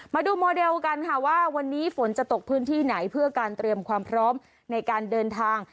มาดูโมเดลกันค่ะว่าวันนี้ฝนจะตกพื้นที่ไหนเพื่อการเตรียมความพร้อมในการเดินทาง